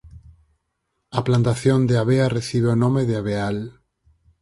A plantación de avea recibe o nome de aveal.